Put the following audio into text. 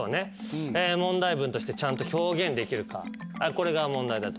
これが問題だと。